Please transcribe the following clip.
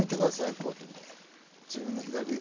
こういうふうにね自分の左。